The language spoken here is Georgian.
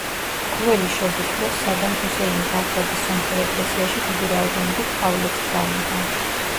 ყოველი შობის დროს სადამ ჰუსეინი ბაღდადის სომხურ ეკლესიაში დიდი რაოდენობით ყვავილებს გზავნიდა.